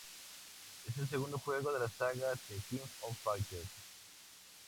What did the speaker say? Es el segundo juego de la saga The King of Fighters.